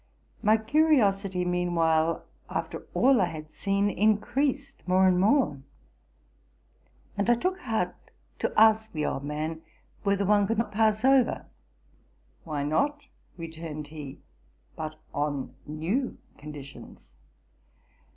My curios ity, meanwhile, after all I had seen, inenedsed more and more ; and I took heart to ask the old man whether one could not pass over. '* Why not?'' returned he, '+ but on new condi tions.